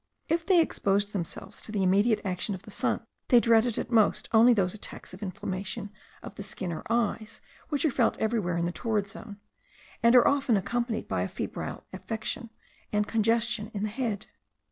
If they exposed themselves to the immediate action of the sun, they dreaded at most only those attacks of inflammation of the skin or eyes, which are felt everywhere in the torrid zone, and are often accompanied by a febrile affection and congestion in the head.